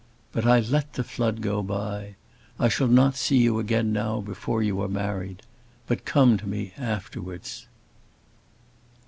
But I let the flood go by! I shall not see you again now before you are married; but come to me afterwards."